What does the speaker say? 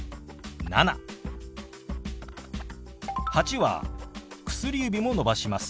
「８」は薬指も伸ばします。